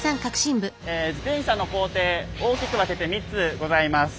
自転車の工程大きく分けて３つございます。